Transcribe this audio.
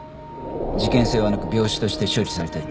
事件性はなく病死として処理されてる。